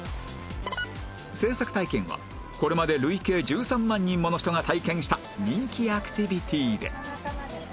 製作体験はこれまで累計１３万人もの人が体験した人気アクティビティーで